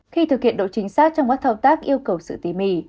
khi thực hiện độ chính xác trong các thao tác yêu cầu sự tỉ mỉ